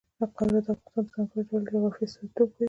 خاوره د افغانستان د ځانګړي ډول جغرافیه استازیتوب کوي.